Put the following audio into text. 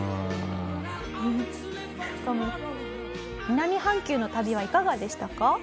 南半球の旅はいかがでしたか？